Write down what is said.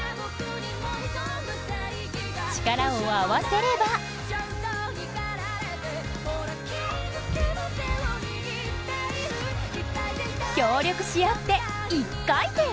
力を合わせれば協力し合って１回転！